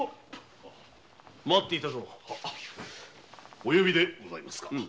お呼びでございますか。